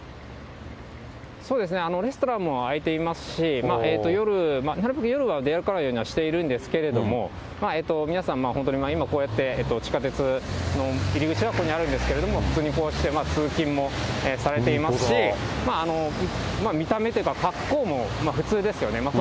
そうですね、レストランも開いていますし、夜、なるべく夜は出歩かないようにはしているんですけれども、皆さん本当に今こうやって、地下鉄の入り口はここにあるんですけれども、普通にこうして、通勤もされていますし、見た目というか、格好も普通ですよね。